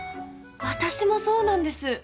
私もそうなんです。